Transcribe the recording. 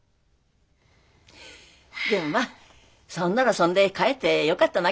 でもまっそんならそんでかえってよかったなけな。